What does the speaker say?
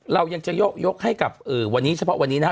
เรายังจะยกให้กับวันนี้เฉพาะวันนี้นะฮะ